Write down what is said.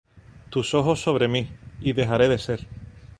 Tus ojos sobre mí, y dejaré de ser.